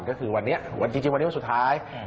ก็คือวันนี้จริงวันนี้วันสุดท้าย